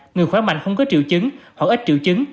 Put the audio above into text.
người khỏe mạnh không có triệu chứng hoặc ít triệu chứng